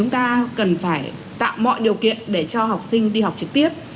tạo mọi điều kiện để cho học sinh đi học trực tiếp